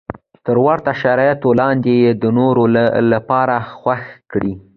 تر ورته شرایطو لاندې یې د نورو لپاره خوښ کړه.